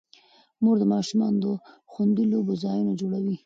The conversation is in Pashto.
مور د ماشومانو د خوندي لوبو ځایونه جوړوي.